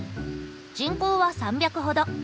人口は３００ほど。